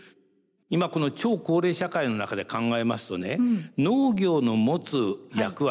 今この超高齢社会の中で考えますとね農業の持つ役割